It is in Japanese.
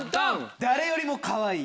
誰よりもかわいい。